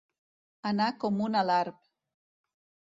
Anar com un alarb.